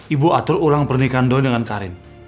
ibu atur ulang pernikahan doni dengan karin